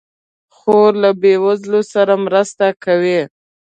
خور له بېوزلو سره مرسته کوي.